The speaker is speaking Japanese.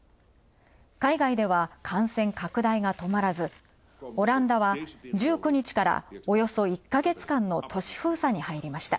海外では感染拡大が止まらず、オランダは、１９日からおよそ１ヶ月間の都市封鎖に入りました。